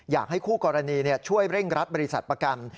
อยากให้คู่กรณีช่วยเร่งรัดบริษัทประกัน